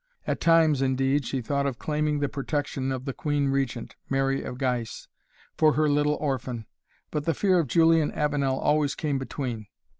At times, indeed, she thought of claiming the protection of the Queen Regent (Mary of Guise) for her little orphan, but the fear of Julian Avenel always came between.